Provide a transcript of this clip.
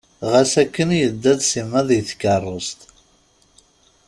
Ɣas akken yedda d Sima deg tkerrust.